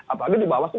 apalagi dibawah tuh